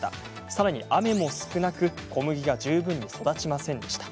さらに雨も少なく小麦が十分に育ちませんでした。